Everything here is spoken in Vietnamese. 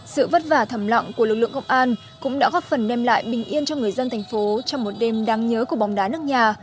sự vất vả thầm lặng của lực lượng công an cũng đã góp phần đem lại bình yên cho người dân thành phố trong một đêm đáng nhớ của bóng đá nước nhà